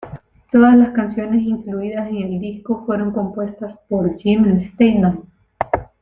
Todas las canciones incluidas en el disco fueron compuestas por Jim Steinman.